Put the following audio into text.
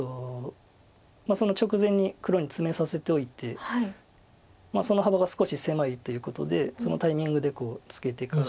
その直前に黒にツメさせておいてその幅が少し狭いということでそのタイミングでツケてから。